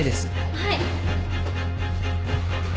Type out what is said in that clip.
はい。